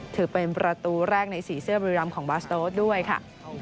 ถือเป็นประตูแรกในสีเสื้อบุรีรำของบาสโต๊ดด้วยค่ะ